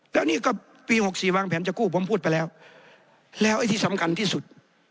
แล้วนี่ก็ปี๖๔วางแผนจะกู้ผมพูดไปแล้วแล้วไอ้ที่สำคัญที่สุด